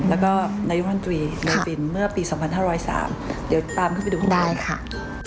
แล้วก็นายุฮันตุรีนายวินเมื่อปี๒๕๐๓เดี๋ยวตามขึ้นไปดูข้างบน